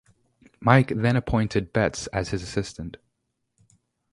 Mike then appointed Betts as his assistant.